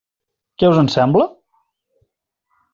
Què us en sembla?